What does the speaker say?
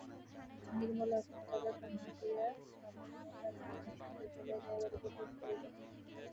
নির্মলা এক মুহূর্ত অপেক্ষা না করিয়া পালের নৌকার মতো নিঃশব্দে চলিয়া যাইবার উপক্রম করিল।